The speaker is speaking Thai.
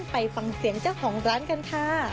ไปฟังเสียงเจ้าของร้านกันค่ะ